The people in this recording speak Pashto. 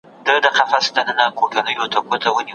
خپلواک پاته کېدل د سالمي څيړني بنسټ جوړوي.